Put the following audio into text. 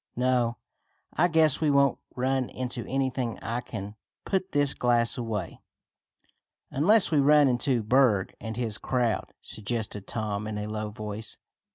No, I guess we won't run into anything and I can put this glass away." "Unless we run into Berg and his crowd," suggested Tom in a low voice.